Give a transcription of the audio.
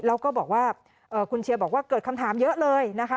แล้วก็บอกว่าคุณเชียร์บอกว่าเกิดคำถามเยอะเลยนะคะ